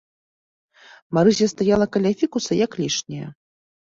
Марыся стаяла каля фікуса як лішняя.